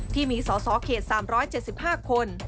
ที่มีสสเขต๓๗๕คน